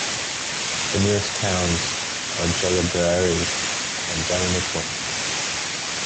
The nearest towns are Jerilderie and Deniliquin.